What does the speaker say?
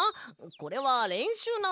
これはれんしゅうなんだ。